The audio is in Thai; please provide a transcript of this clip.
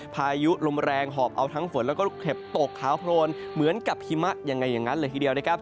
ภายุรมแรงหอบเอาทั้งฝนแล้วก็ลูกเห็บตกท้าโคนเหมือนกับไฮม่ายังไงอย่างงั้นสิเดียวครับ